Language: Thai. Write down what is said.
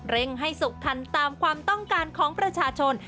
ให้สุขทันตามความต้องการของประชาชน